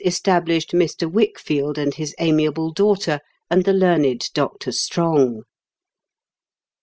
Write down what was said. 169 established Mr. Wickfield and his amiable daughter and the learned Dr. Strong.